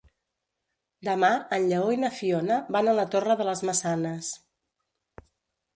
Demà en Lleó i na Fiona van a la Torre de les Maçanes.